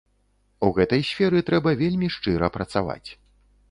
У гэтай сферы трэба вельмі шчыра працаваць.